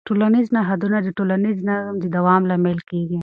ټولنیز نهادونه د ټولنیز نظم د دوام لامل کېږي.